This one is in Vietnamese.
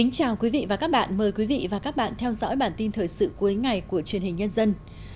chào mừng quý vị đến với bản tin thời sự cuối ngày của truyền hình nhân dân